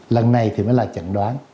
lần này thì mới là chẩn đoán